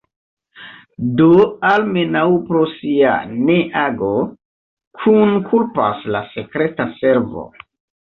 Do, almenaŭ pro sia ne-ago, kunkulpas la sekreta servo.